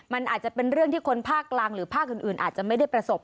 มันอาจจะเป็นเรื่องที่คนภาคกลางหรือภาคอื่นอาจจะไม่ได้ประสบ